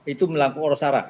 itu melangkung orang sarah